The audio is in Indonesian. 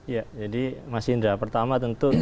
ya jadi mas indra pertama tentu